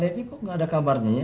tapi kok nggak ada kabarnya ya